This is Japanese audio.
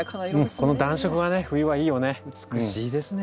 この暖色がね冬はいいよね。